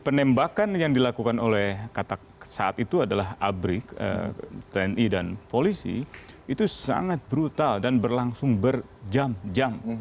penembakan yang dilakukan oleh saat itu adalah abrik tni dan polisi itu sangat brutal dan berlangsung berjam jam